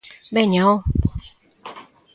Veña, oh!